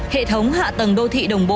hệ thống hạ tầng đô thị đồng bộ